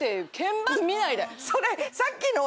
それさっきの。